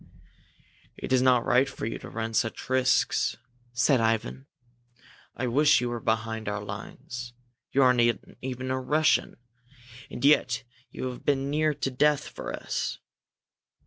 "It is not right for you to run such risks," said Ivan. "I wish you were behind our lines! You are not even a Russian, and yet you have been near to death for us."